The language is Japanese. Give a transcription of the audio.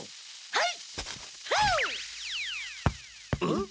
はい。